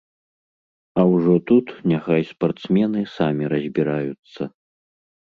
А ўжо тут няхай спартсмены самі разбіраюцца.